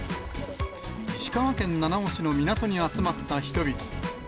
石川県七尾市の港に集まった人々。